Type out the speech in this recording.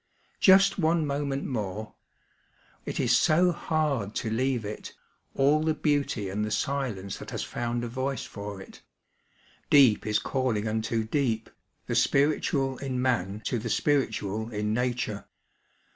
Just one moment more ; it is so hard to leave it, all the beauty and the ffllence that has found a voice for it. Deep is calling unto deep, the spiritual in man to the spiritual in Nature.